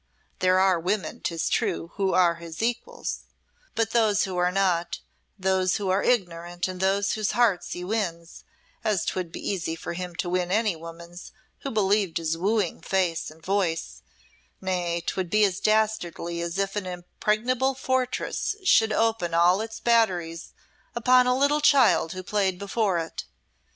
There are women, 'tis true, who are his equals; but those who are not those who are ignorant and whose hearts he wins, as 'twould be easy for him to win any woman's who believed his wooing face and voice Nay, 'twould be as dastardly as if an impregnable fortress should open all its batteries upon a little child who played before it.